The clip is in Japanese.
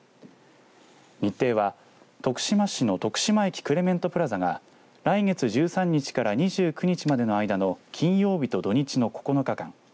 日程は徳島市の徳島駅クレメントプラザが来月１３日から２９日までの間の金曜日と土日の９日間。